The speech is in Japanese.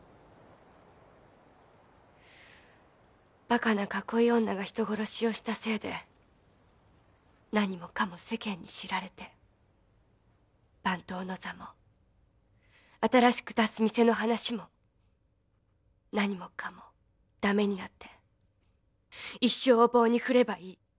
馬鹿な囲い女が人殺しをしたせいで何もかも世間に知られて番頭の座も新しく出す店の話も何もかも駄目になって一生を棒に振ればいい。